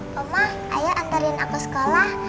mama ayo anterin aku sekolah